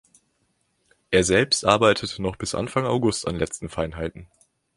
Er selbst arbeitete noch bis Anfang August an letzten Feinheiten.